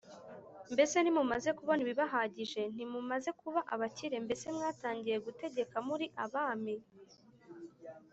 Mbese ntimumaze kubona ibibahagije Ntimumaze kuba abakire Mbese mwatangiye gutegeka muri abami